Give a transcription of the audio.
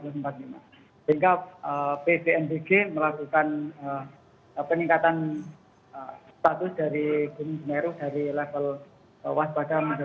sehingga pvmbg melakukan peningkatan status dari gunung semeru dari level waspada